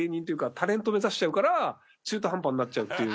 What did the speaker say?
タレント目指しちゃうから中途半端になっちゃうっていう。